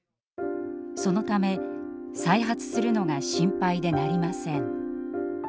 そのため再発するのが心配でなりません。